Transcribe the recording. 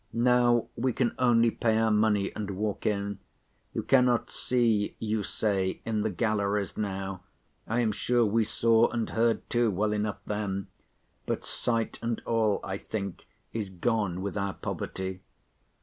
Now we can only pay our money, and walk in. You cannot see, you say, in the galleries now. I am sure we saw, and heard too, well enough then—but sight, and all, I think, is gone with our poverty.